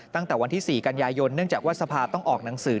ตั้งแต่วันที่๔กันยายนเนื่องจากว่าสภาต้องออกหนังสือ